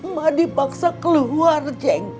mak dipaksa keluar ceng